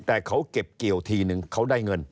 แต่เขาเก็บเกี่ยวทีนึงเขาได้เงิน